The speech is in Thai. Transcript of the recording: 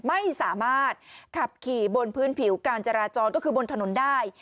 ไม่สามารถขับขี่บนพื้นผิวการจราจรก็คือบนถนนได้